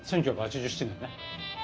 １９８７年ね。